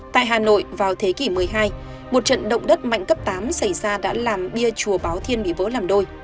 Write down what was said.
tại hà nội vào thế kỷ một mươi hai một trận động đất mạnh cấp tám xảy ra đã làm bia chùa báo thiên bị vỡ làm đôi